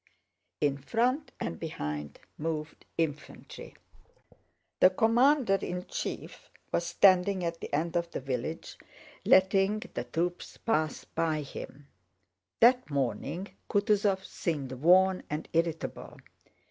In front and behind moved infantry. The commander in chief was standing at the end of the village letting the troops pass by him. That morning Kutúzov seemed worn and irritable.